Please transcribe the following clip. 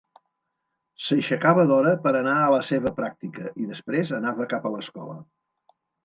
S'aixecava d'hora per anar a la seva pràctica i després anava cap a l'escola.